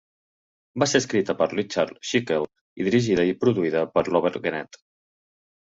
Va ser escrita per Richard Schickel i dirigida i produïda per Robert Guenette.